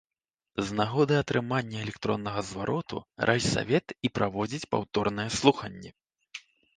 З нагоды атрымання электроннага звароту райсавет і праводзіць паўторныя слуханні.